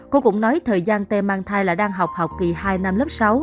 cô cũng nói thời gian tê mang thai là đang học học kỳ hai năm lớp sáu